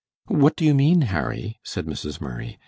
"What do you mean, Harry?" said Mrs. Murray.